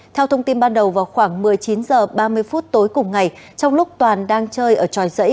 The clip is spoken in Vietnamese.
theo thông tin ban đầu vào khoảng một mươi chín h ba mươi phút tối cùng ngày trong lúc toàn đang chơi ở tròi dãy